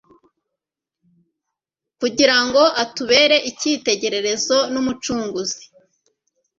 kugira ngo atubere icyitegererezo n'Umucunguzi.